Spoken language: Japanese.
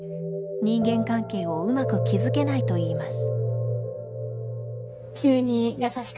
人間関係をうまく築けないといいます。